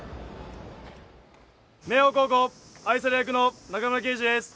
明豊高校愛され役の中村慶次です。